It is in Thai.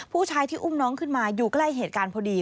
ผู้ชายที่อุ้มน้องขึ้นมาอยู่ใกล้เหตุการณ์พอดี